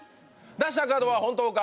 出したカードは本当か？